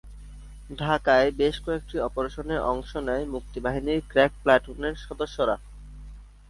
ঢাকায় বেশ কয়েকটি অপারেশনে অংশ নেয় মুক্তিবাহিনীর ক্র্যাক প্লাটুনের সদস্যরা।